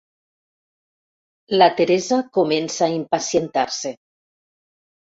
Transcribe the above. La Teresa comença a impacientar-se.